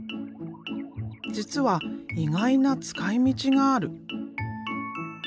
実は意外な使いみちがある。